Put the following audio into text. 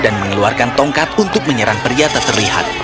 dan mengeluarkan tongkat untuk menyerang pria tak terlihat